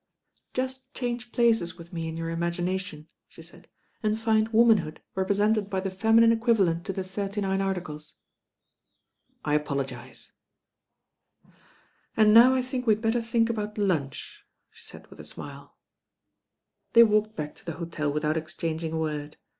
"Just change places with me in your imagina tion," she said, "and find womanhood represented by the feminine equivalent to the Thirty Nine Articles." "I apologise." "And now I think we had better think about lunch," she said with a smile. THE THIRTY NINE ARTICLES 181 They walked back to the hotel without exchanging a word.